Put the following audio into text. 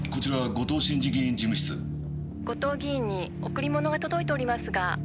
「後藤議員に贈り物が届いておりますが」